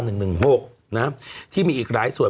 นะฮะที่มีอีกหลายส่วน